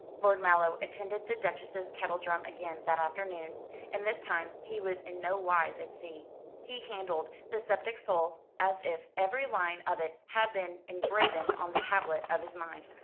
Lord Mallow attended the Duchess's kettledrum again that afternoon, and this time he was in no wise at sea. He handled "The Sceptic Soul" as if every line of it had been engraven on the tablet of his mind.